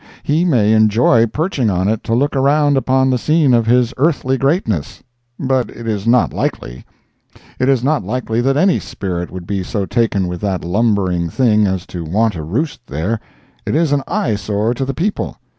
He may enjoy perching on it to look around upon the scene of his earthly greatness, but it is not likely. It is not likely that any spirit would be so taken with that lumbering thing as to want to roost there. It is an eyesore to the people.